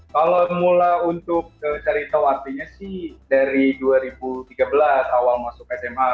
kalau mula untuk cari tahu artinya sih dari dua ribu tiga belas awal masuk sma